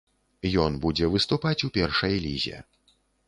Ён будзе выступаць у першай лізе.